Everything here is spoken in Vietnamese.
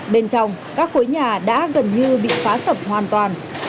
bên trong các khối nhà đã gần như bị phá sập hoàn toàn